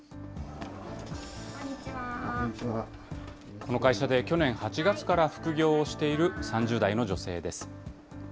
この会社で去年８月から副業をしている３０代の女性です。